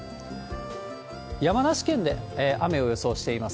山梨県で雨を予想しています。